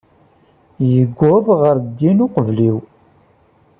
Yuweḍ ɣer din uqbel-iw.